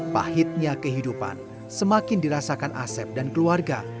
pahitnya kehidupan semakin dirasakan asep dan keluarga